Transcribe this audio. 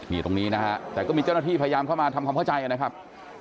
มีตรงนี้แต่ก็มีเจ้าหน้าที่พยายามเข้ามาทำความเข้าใจกัน